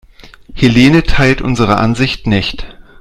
Helene teilt unsere Ansicht nicht.